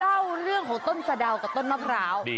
เล่าเรื่องของต้นสะดาวกับต้นมะพร้าว